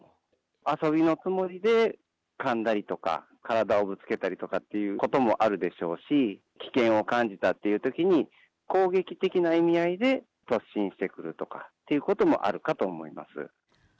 遊びのつもりでかんだりとか、体をぶつけたりとかっていうこともあるでしょうし、危険を感じたというときに攻撃的な意味合いで突進してくるとかということもあるかと思います。